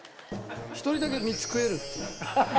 １人だけ３つ食えるって。